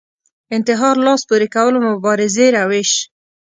انتحار لاس پورې کول مبارزې روش